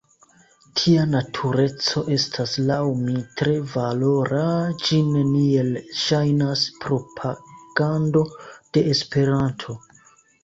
Tia natureco estas, laŭ mi, tre valora, ĝi neniel ŝajnas propagando de Esperanto.